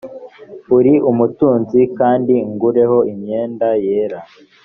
uri umutunzi kandi ungureho n imyenda yera